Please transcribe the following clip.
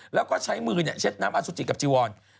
แล้วก็ใช้มือเช็ดน้ำอสุจิกับจีวอน